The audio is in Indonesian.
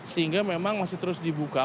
sehingga memang masih terus dibuka